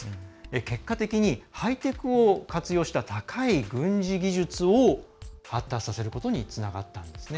結果的に、ハイテクを活用した高い軍事技術を発達させることにつながったんですね。